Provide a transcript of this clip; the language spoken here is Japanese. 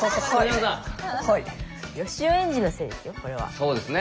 そうですね。